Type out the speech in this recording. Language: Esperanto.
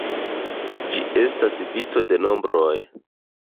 Ĝi estas vico de nombroj.